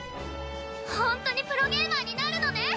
ホントにプロゲーマーになるのね。